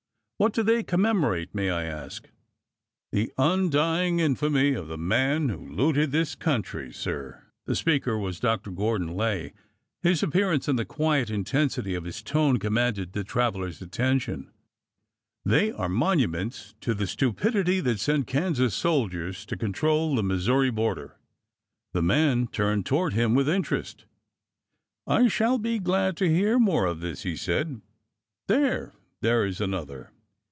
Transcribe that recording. What do they commemorate, may I ask ?" The undying infamy of the man who looted this country, sir." The speaker was Dr. Gordon Lay. His appearance and the quiet intensity of his tone commanded the traveler's attention. " They are monuments to the 418 EPILOGUE 419 stupidity that sent Kansas soldiers to control the Mis souri border." The man turned toward him with interest. '' I should be glad to hear more of this," he said. There— there is another